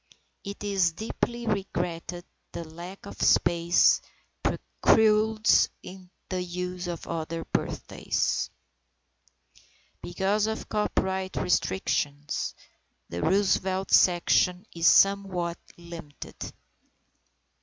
It is deeply regretted that lack of space precludes the use of other birthdays. Because of copyright restrictions, the Roosevelt section is somewhat limited.